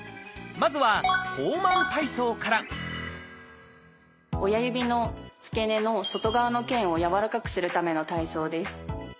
まずは「ホーマン体操」から親指の付け根の外側の腱をやわらかくするための体操です。